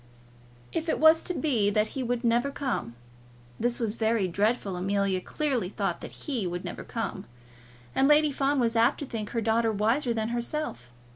If it was to be that "he" would never come, this was very dreadful. Amelia clearly thought that "he" would never come, and Lady Fawn was apt to think her daughter wiser than herself.